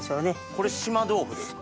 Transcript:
これ島豆腐ですか？